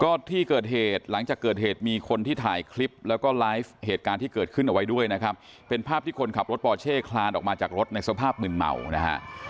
ก็ที่เกิดเหตุหลังจากเกิดเหตุมีคนที่ถ่ายคลิปแล้วก็ไลฟ์เหตุการณ์ที่เกิดขึ้นเอาไว้ด้วยนะครับเป็นภาพที่คนขับรถปอเช่คลานออกมาจากรถในสภาพมืนเมานะฮะ